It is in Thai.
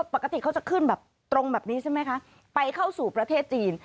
ปกติเขาจะขึ้นแบบตรงแบบนี้ใช่ไหมคะไปเข้าสู่ประเทศจีน